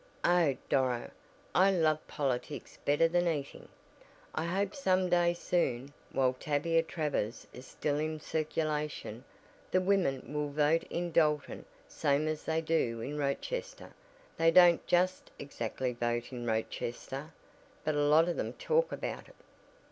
Oh, Doro, I love politics better than eating. I hope some day soon, while Tavia Travers is still in circulation, the women will vote in Dalton same as they do in Rochester they don't just exactly vote in Rochester, but a lot of them talk about it."